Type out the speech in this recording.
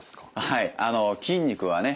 はいあの筋肉はね